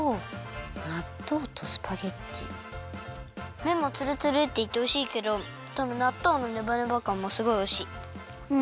めんもツルツルっていっておいしいけどなっとうのネバネバかんもすごいおいしい。